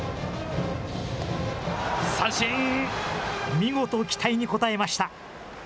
見事、期待に応えました。